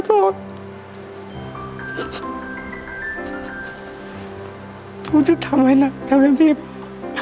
ผมจะทำให้หนักทำให้พี่พลาด